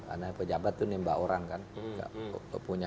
anak pejabat itu nih mbak orang kan